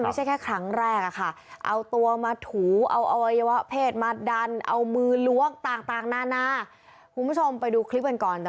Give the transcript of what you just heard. ก็มาจริงดูดแล้วดูดอีกคุณผู้ชมไปดูกันค่ะ